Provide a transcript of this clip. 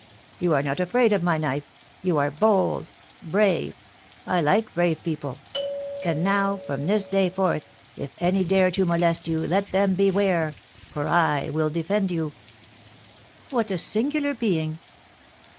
You are not afraid of my knife; you are bold brave! I like brave people; and now, from this day forth, if any dare to molest you, let them beware, for I will defend you.'" "What a singular being!"